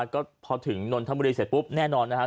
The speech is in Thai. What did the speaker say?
ก็พอถึงนนทบุรีเสร็จปุ๊บแน่นอนนะฮะ